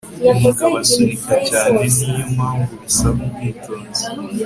umugabo asunika cyane, niyo mpamvu bisaba ubwitonzi